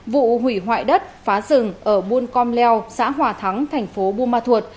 vụ hủy hoại đất phá rừng ở buôn com leo xã hòa thắng thành phố buôn ma thuột